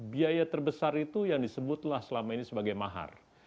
biaya terbesar itu yang disebutlah selama ini sebagai mahar